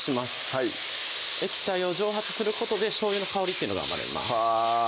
はい液体を蒸発することでしょうゆの香りっていうのが生まれます